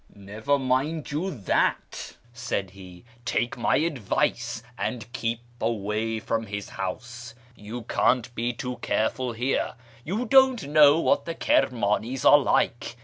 Never you mind that," said he ;" take my advice and keep away from his house. You can't be too careful here. You don't know what the Kirmanis are like.